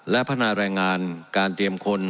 และพัฒนาแรงงานการเตรียมคน